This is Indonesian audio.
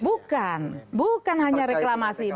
bukan bukan hanya reklamasi